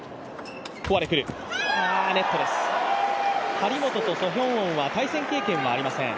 張本とソ・ヒョウォンは対戦経験はありません。